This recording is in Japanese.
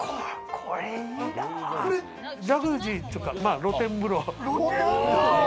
ジャグジーというか露天風呂。